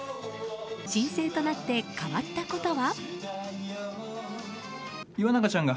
新生となって変わったことは？